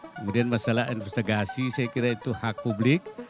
kemudian masalah investigasi saya kira itu hak publik